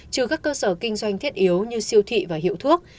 trừ các cơ sở kinh doanh thiết yếu như siêu thị và hiệu thuốc